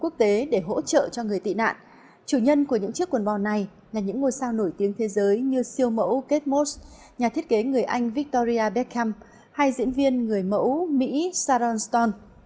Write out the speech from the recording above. chủ nhân của những chiếc quần bò này là những ngôi sao nổi tiếng thế giới như siêu mẫu kate moss nhà thiết kế người anh victoria beckham hay diễn viên người mẫu mỹ sharon stone